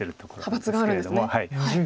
派閥があるんですね。